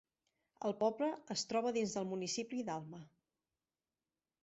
El poble es troba dins del municipi d'Alma.